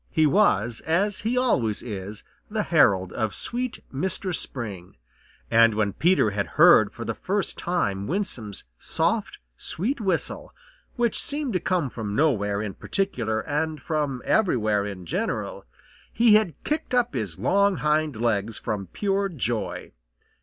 He was, as he always is, the herald of sweet Mistress Spring. And when Peter had heard for the first time Winsome's soft, sweet whistle, which seemed to come from nowhere in particular and from everywhere in general, he had kicked up his long hind legs from pure joy.